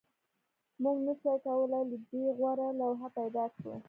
موږ نشوای کولی له دې غوره لوحه پیدا کړو